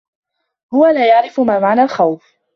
هو لا يعرف ما معنى الخوف.